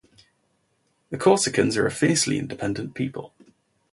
The Corsicans are a fiercely independent people.